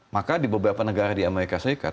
maka di beberapa negara di amerika serikat